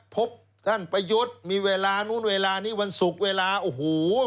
พบท่านประยุทธ์มีเวลานู้นเวลานี้วันศุกร์เวลาโอ้โห